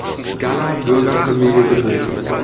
Galler Bürgerfamilie geboren.